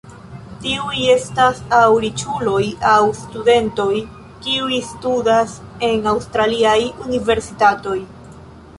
Tiuj estas aŭ riĉuloj aŭ studentoj, kiuj studas en aŭstraliaj universitatoj.